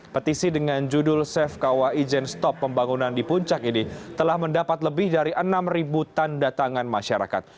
petisi dengan judul safe kawah ijen stop pembangunan di puncak ini telah mendapat lebih dari enam tanda tangan masyarakat